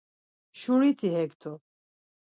Şuriti hekt̆u.